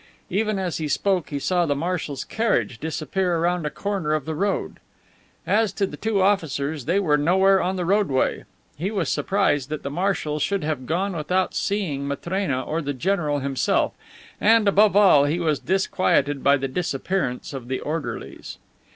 Even as he spoke he saw the marshal's carriage disappear around a corner of the road. As to the two officers, they were nowhere on the roadway. He was surprised that the marshal should have gone without seeing Matrena or the general or himself, and, above all, he was disquieted by the disappearance of the orderlies.